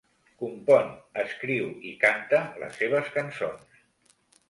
Compon, escriu i canta les seves cançons.